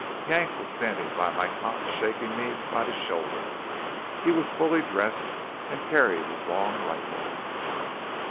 Yank was standing by my cot, shaking me by the shoulder. He was fully dressed, and carried his long rifle.